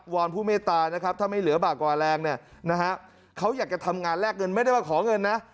วรภุเมตราถ้าไม่เหลือบากวาแรงเขาอยากจะทำงานแลกเงินไม่ได้ว่าขอเงินนะ